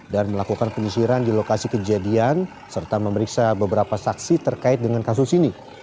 melakukan penyisiran di lokasi kejadian serta memeriksa beberapa saksi terkait dengan kasus ini